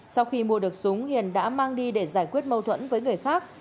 sau khi mua được súng hiền đã mang đi để giải quyết mâu thuẫn với người khác